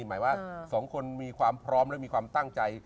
หมายว่า๒คนมีความพร้อมและมีความตั้งใจ